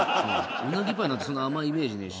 うなぎパイなんてそんな甘いイメージねえし。